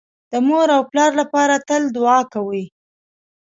د مور او پلار لپاره تل دوعا کوئ